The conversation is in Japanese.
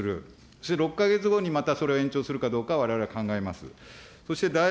そして６か月後にまたそれを延長するかどうかをわれわれは考えます。